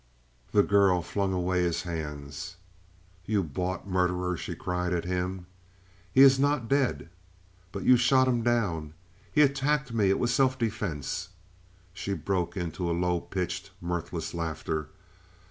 The girl flung away his hands. "You bought murderer!" she cried at him. "He is not dead." "But you shot him down!" "He attacked me; it was self defense." She broke into a low pitched, mirthless laughter.